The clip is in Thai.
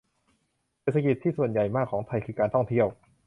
เศรษฐกิจส่วนที่ใหญ่มากของไทย คือการท่องเที่ยว